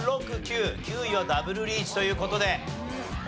９位はダブルリーチという事で。